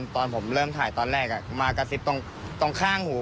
ตอนผมเริ่มถ่ายตอนแรกมากระซิบตรงข้างหู